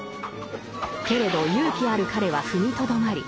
けれど勇気ある彼は踏みとどまり運